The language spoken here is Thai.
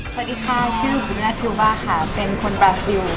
สวัสดีค่ะชื่อคุณนาชิวบ้าค่ะเป็นคนบราซิล